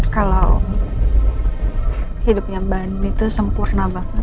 kalau hidupnya mbak ani itu sempurna banget